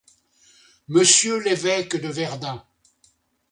Monsieur l’évêque de Verdun.